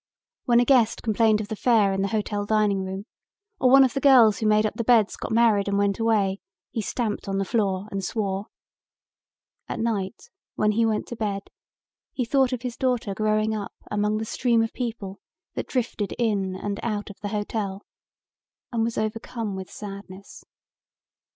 When a guest complained of the fare in the hotel dining room or one of the girls who made up the beds got married and went away, he stamped on the floor and swore. At night when he went to bed he thought of his daughter growing up among the stream of people that drifted in and out of the hotel and was overcome with sadness.